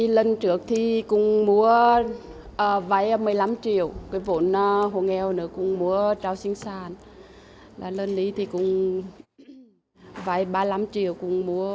vậy ba mươi năm triệu cũng mua cháu